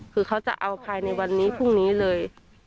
คือเขาจะเอาภายในวันนี้พรุ่งนี้เลย